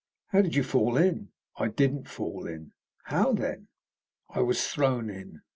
"How did you fall in?" "I didn't fall in." "How, then?" "I was thrown in.